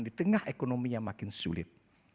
di tengah ekonomi yang makin sulit